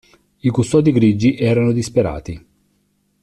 I Custodi Grigi erano disperati.